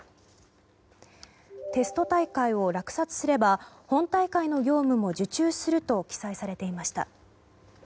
テスト大会を落札すれば本大会の業務も受注すると記載されていました。